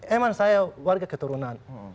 emang saya warga keturunan